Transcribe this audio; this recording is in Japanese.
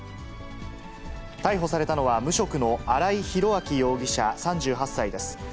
逮捕されたのは、無職の新井裕昭容疑者３８歳です。